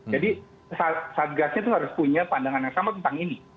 jadi satgasnya itu harus punya pandangan yang sama tentang ini